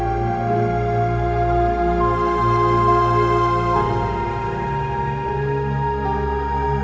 gurau dulu deh om